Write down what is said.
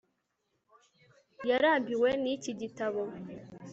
Yarambiwe niki gitabo